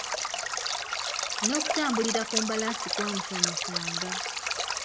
N'okutambulira ku mbalaasi kwamusanyusanga.